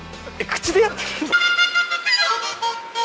口でやってるの？